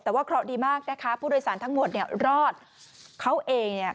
แต่ว่าเคราะห์ดีมากนะคะผู้โดยสารทั้งหมดเนี่ยรอดเขาเองเนี่ย